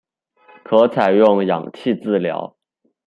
可采用氧气治疗。